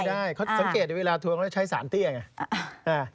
ไม่ได้เขาสังเกตอยู่เวลาทัวร์เขาจะใช้สารเตี้ยอย่างนี้